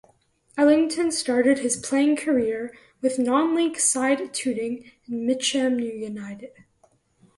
Ellington started his playing career with non-League side Tooting and Mitcham United.